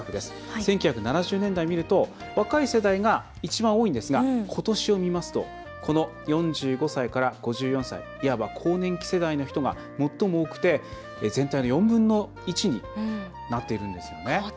１９７０年代を見ると若い世代が一番多いんですがことしを見ますと４５歳から５４歳いわば更年期世代の人が最も多くて全体の４分の１になっているんですよね。